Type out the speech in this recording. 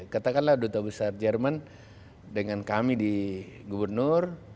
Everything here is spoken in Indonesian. katakanlah duta besar jerman dengan kami di gubernur